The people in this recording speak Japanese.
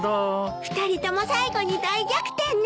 ２人とも最後に大逆転ね。